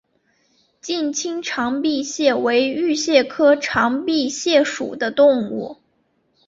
近亲长臂蟹为玉蟹科长臂蟹属的动物。